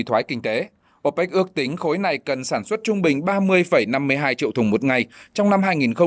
opec ước tính khối này cần sản xuất trung bình ba mươi năm mươi hai triệu thùng một ngày trong năm hai nghìn một mươi chín